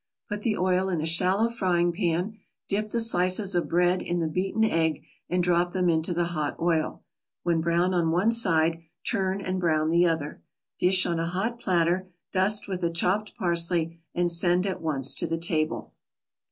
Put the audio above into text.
Put the oil in a shallow frying pan, dip the slices of bread in the beaten egg and drop them into the hot oil; when brown on one side, turn and brown the other. Dish on a hot platter, dust with the chopped parsley and send at once to the table.